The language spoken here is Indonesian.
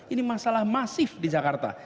ini masalah masif di jakarta